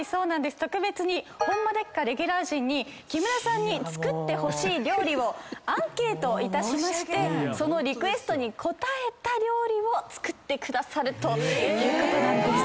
特別にホンマでっか⁉レギュラー陣に木村さんに作ってほしい料理をアンケートいたしましてそのリクエストに応えた料理を作ってくださるということなんです。